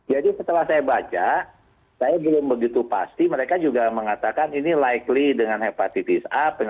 jadi setelah saya baca saya belum begitu pasti mereka juga mengatakan ini likely dengan hepatitis a